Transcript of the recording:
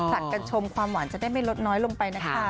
กันชมความหวานจะได้ไม่ลดน้อยลงไปนะคะ